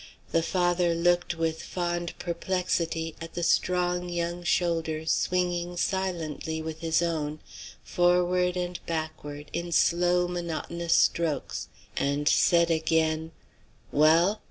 The father looked with fond perplexity at the strong young shoulders swinging silently with his own, forward and backward in slow, monotonous strokes, and said again: "Well?